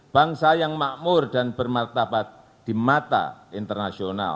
bangsa yang makmur dan bermartabat di mata internasional